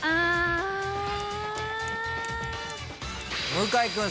向井君。